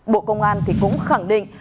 bộ công an thì cũng khẳng định